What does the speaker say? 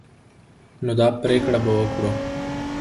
نو دا پريکړه به وکړو.